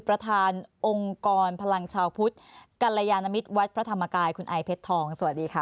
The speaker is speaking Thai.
ประธานองค์กรพลังชาวพุทธกัลยานมิตรวัดพระธรรมกายคุณไอเพชรทองสวัสดีค่ะ